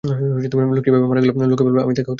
লোকটি এভাবে মারা গেলে লোকে বলবে আমিই তাকে হত্যা করেছি।